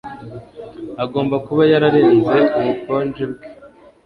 Agomba kuba yararenze ubukonje bwe